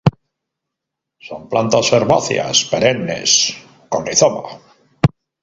Son plantas herbáceas perennes con rizoma.